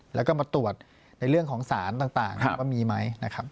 แล้วก็มาตรวจในเรื่องของศาลต่างว่ามีมั้ย